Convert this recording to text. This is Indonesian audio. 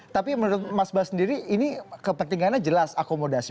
tapi menurut mas bas sendiri ini kepentingannya jelas akomodasi